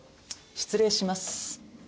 失礼します。